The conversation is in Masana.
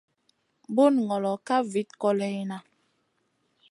Bunu ŋolo ka vit kòleyna.